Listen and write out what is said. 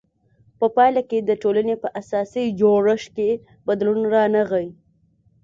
په پایله کې د ټولنې په اساسي جوړښت کې بدلون رانغی.